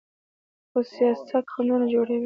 خو سیاست خنډونه جوړوي.